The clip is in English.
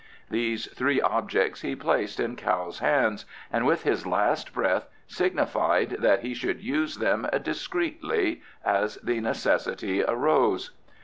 These three objects he placed in Kao's hands, and with his last breath signified that he should use them discreetly as the necessity arose.